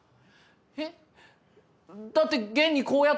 えっ？だって現にこうやって。